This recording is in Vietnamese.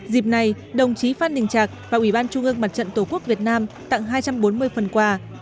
dịp này đồng chí phan đình trạc và ủy ban trung ương mặt trận tổ quốc việt nam tặng hai trăm bốn mươi phần quà